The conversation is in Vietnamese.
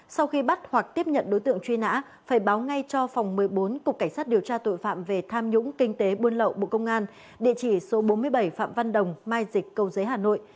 sau khi bắt hoặc tiếp nhận đối tượng truy nã phải báo ngay cho phòng một mươi bốn cục cảnh sát điều tra tội phạm về tham nhũng kinh tế buôn lậu bộ công an địa chỉ số bốn mươi bảy phạm văn đồng mai dịch cầu giấy hà nội